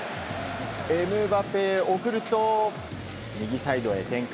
エムバペ、送ると右サイドへ展開。